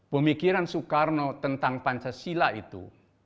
pemikiran soekarno tentang pancasila itu